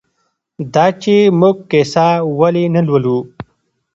دا چې موږ کیسه ولې نه لولو؟